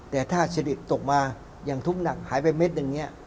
แต่ถ้าสดิตตกมาอย่างทุกข์หนักหายไปเม็ดหนึ่งเนี่ย